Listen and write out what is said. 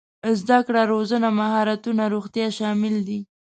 زده کړه روزنه مهارتونه روغتيا شامل دي.